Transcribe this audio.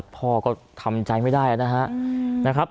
พ่อก็ทำใจไม่ได้นะครับ